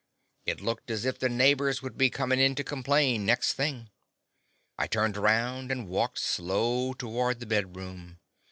It looked as if the neighbors would be comin' in to complain, next thing. I turned around and walked slow toward the bedroom.